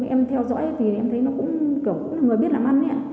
em theo dõi thì em thấy nó cũng kiểu người biết làm ăn đấy ạ